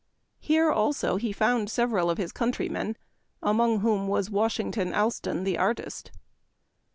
Here, also, he found several of his countrymen, among whom was Washington Allston, the artist.